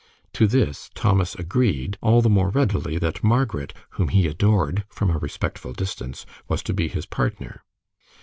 To this Thomas agreed, all the more readily that Margaret, whom he adored from a respectful distance, was to be his partner.